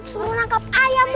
suruh nangkep ayammu